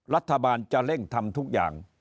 รัฐบาลจะเร่งทำทุกอย่าง